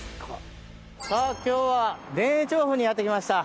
さあ、今日は田園調布にやってきました。